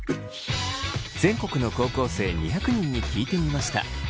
全国の高校生２００人に聞いてみました。